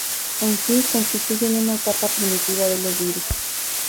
En sí constituyen una etapa primitiva de los virus.